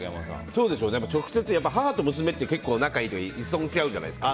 直接、母と娘って結構仲がいいと一層向き合うじゃないですか。